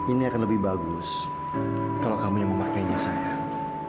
ini akan lebih bagus kalau kamu yang memakainya sayang